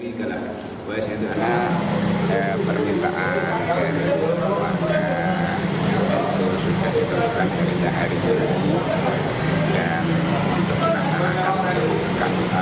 dan untuk disaksikan kami akan memanfaatkan kemungkinan karena prosesi sudah dicatat